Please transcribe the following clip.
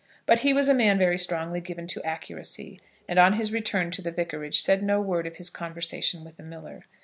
But he was a man very strongly given to accuracy, and on his return to the Vicarage said no word of his conversation with the miller.